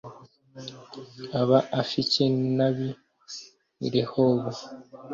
aba Afiki n’ab’i Rehobu.